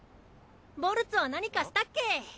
ボルツは何かしたっけ？